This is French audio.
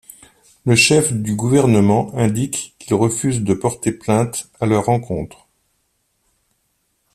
Le chef du gouvernement indique qu'il refuse de porter plainte à leur encontre.